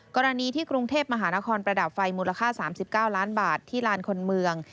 กรณีที่กรุงเทพมหานครประดับไฟมูลค่า๓๙ล้านบาทที่ลานคนเมือง